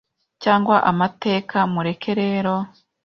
cyangwa amateka; mureke rero